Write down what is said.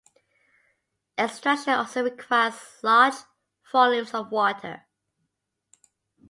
Extraction also requires large volumes of water.